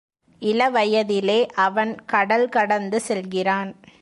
இளவயதிலே அவன் கடல் கடந்து செல்கிறான்.